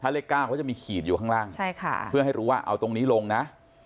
เลข๙เขาจะมีขีดอยู่ข้างล่างใช่ค่ะเพื่อให้รู้ว่าเอาตรงนี้ลงนะ